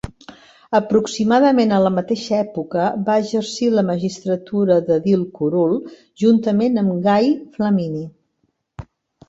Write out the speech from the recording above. Aproximadament a la mateixa època va exercir la magistratura d'edil curul juntament amb Gai Flamini.